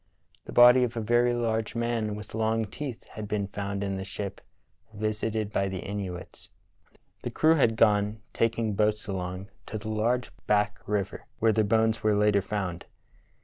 The body of a very large man with long teeth had been found in the ship visited by the Inuits. The crew had gone, taking boats along, to the "large [Back] river," where their bones were later found.